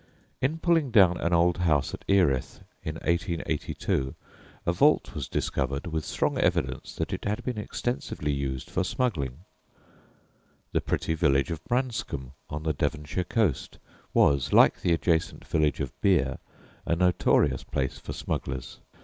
In pulling down an old house at Erith in 1882 a vault was discovered with strong evidence that it had been extensively used for smuggling. The pretty village of Branscombe, on the Devonshire coast, was, like the adjacent village of Beer, a notorious place for smugglers.